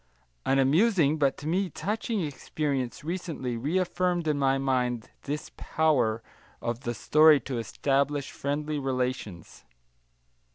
An amusing, but to me touching experience recently reaffirmed in my mind this power of the story to establish friendly relations.